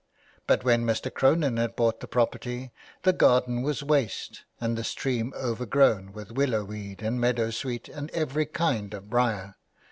But when Mr. Cronin had bought the property the garden was waste and the stream overgrown with willow weed and meadow sweet and every kind of brier.